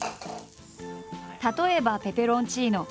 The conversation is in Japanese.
例えばペペロンチーノ。